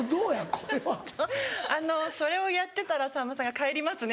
これは。それをやってたらさんまさんが帰りますね。